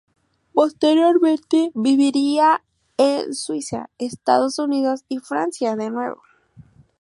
Posteriormente viviría en Suiza, Estados Unidos y Francia, de nuevo.